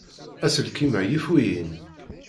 Aselkim-a yif wihin.